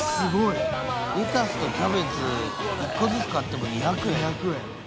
レタスとキャベツ１個ずつ買っても２００円２００円